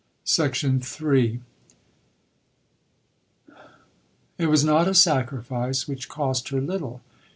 III It was not a sacrifice which cost her little.